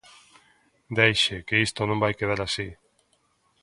Deixe que isto non vai quedar así;